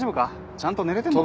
ちゃんと寝れてんのか？